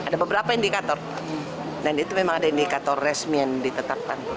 ada beberapa indikator dan itu memang ada indikator resmi yang ditetapkan